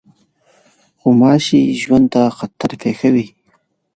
غوماشې ژوند ته خطر پېښوي.